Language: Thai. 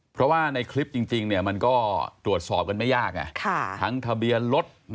เพราะว่าในคลิปจริงมันก็ตรวจสอบกันไม่ยากไงทั้งทะเบียนรถ